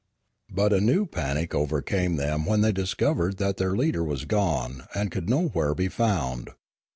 But a new panic overcame them when they dis covered that their leader was gone and could nowhere be found.